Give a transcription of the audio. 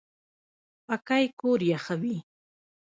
پکۍ کور یخوي